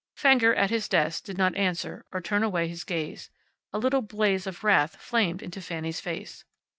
Fenger, at his desk, did not answer, or turn away his gaze. A little blaze of wrath flamed into Fanny's face.